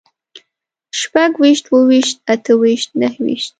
شپږويشت، اووهويشت، اتهويشت، نههويشت